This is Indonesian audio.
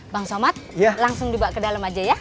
bang somad langsung dibawa ke dalam aja ya